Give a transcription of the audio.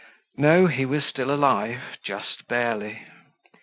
No, he was still alive, just barely.